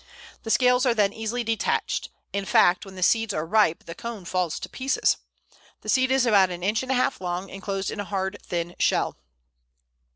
The scales are then easily detached; in fact, when the seeds are ripe, the cone falls to pieces. The seed is about an inch and a half long, enclosed in a hard, thin shell.